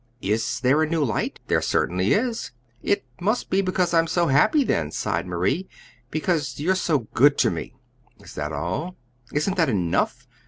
"Is there a new light?" "There certainly is." "It must be because I'm so happy, then," sighed Marie; "because you're so good to me." "Is that all?" "Isn't that enough?"